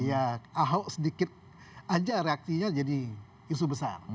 ya ahok sedikit aja reaksinya jadi isu besar